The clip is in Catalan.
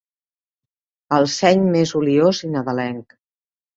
El seny més oliós i nadalenc.